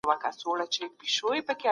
هغه د نورو په پرتله ډیر کړاو ویني.